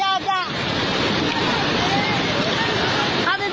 เดี๋ยวไปดูนะฮะตอนที่ช่วยผู้ชายคนนี้ขึ้นมานะครับทุกผู้ชมครับ